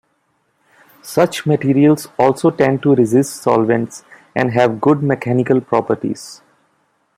Such materials also tend to resist solvents and have good mechanical properties.